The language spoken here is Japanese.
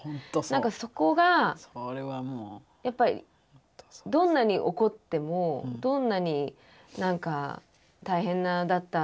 何かそこがやっぱりどんなに怒ってもどんなに大変だった